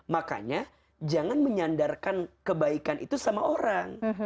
makanya jangan menyandarkan kebaikan itu sama orang